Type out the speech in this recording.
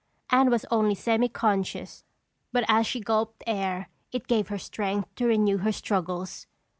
Anne was only semi conscious but as she gulped air it gave her strength to renew her struggles.